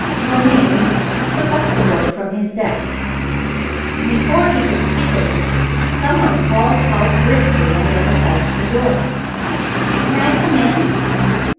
Romayne took up the book from his desk. Before he could speak of it some one called out briskly, on the other side of the door: "May I come in?"